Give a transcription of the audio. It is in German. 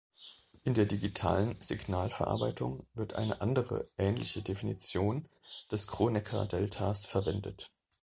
In der digitalen Signalverarbeitung wird eine andere ähnliche Definition des Kronecker-Deltas verwendet.